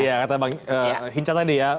iya kata bang hinca tadi ya